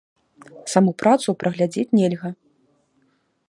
Саму працу праглядзець нельга.